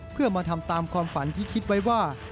เพื่อมาทำตามความฝันที่คิดไว้ว่า